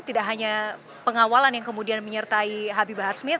tidak hanya pengawalan yang kemudian menyertai habibahar smith